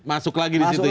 masuk lagi disitu ya